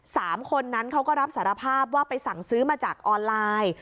สามคนนั้นเขาก็รับสารภาพว่าไปสั่งซื้อมาจากออนไลน์